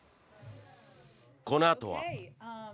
このあとは。